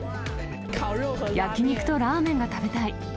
焼き肉とラーメンが食べたい。